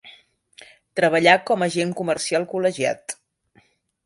Treballà com a agent comercial col·legiat.